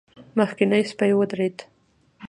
مخکينی سپی ودرېد.